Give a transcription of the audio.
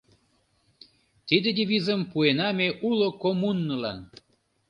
Тиде девизым пуэна ме уло коммунылан.